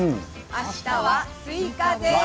あしたはスイカです。